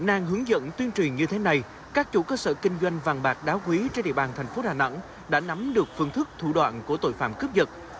an hướng dẫn tuyên truyền như thế này các chủ cơ sở kinh doanh vàng bạc đá quý trên địa bàn thành phố đà nẵng đã nắm được phương thức thủ đoạn của tội phạm cướp giật